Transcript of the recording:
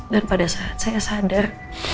dan pada saat saya sadar